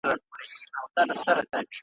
وروستۍ ورځ `